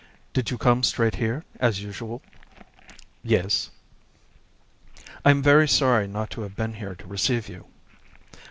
"Did you come straight here, as usual?" "Yes." "I am very sorry not to have been here to receive you."